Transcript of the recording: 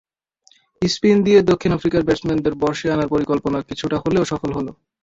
Spin দিয়ে দক্ষিণ আফ্রিকার ব্যাটসম্যানদের বশে আনার পরিকল্পনা কিছুটা হলেও সফল হলো।